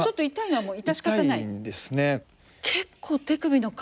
はい。